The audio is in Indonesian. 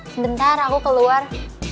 sebentar aku keluar